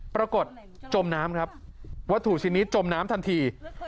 จมน้ำครับวัตถุชิ้นนี้จมน้ำทันที